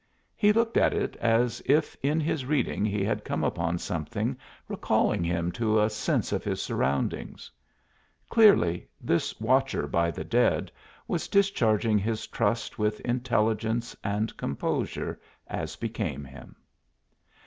He looked at it as if in his reading he had come upon something recalling him to a sense of his surroundings. Clearly this watcher by the dead was discharging his trust with intelligence and composure, as became him.